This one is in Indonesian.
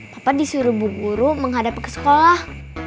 papa disuruh bu guru menghadap ke sekolah